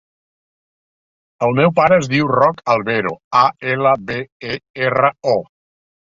El meu pare es diu Roc Albero: a, ela, be, e, erra, o.